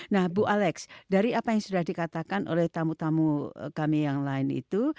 nah bu alex dari apa yang sudah dikatakan oleh tamu tamu kami yang lain itu